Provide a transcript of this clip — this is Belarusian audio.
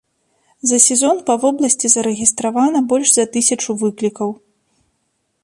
За сезон па вобласці зарэгістравана больш за тысячу выклікаў.